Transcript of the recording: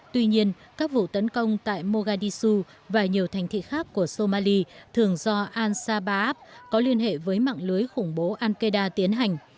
tuy nhiên các vụ tấn công tại mogadisu và nhiều thành thị khác của somali thường do al sabaab có liên hệ với mạng lưới khủng bố al qaeda tiến hành